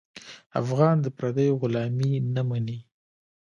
افغان د پردیو غلامي نه مني.